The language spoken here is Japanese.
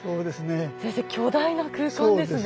先生巨大な空間ですね。